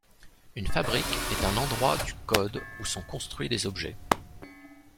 Une fabrique est un endroit du code où sont construits des objets.